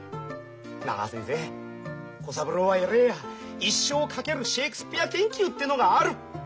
なあ先生小三郎は偉えや一生を懸けるシェークスピア研究ってのがある」。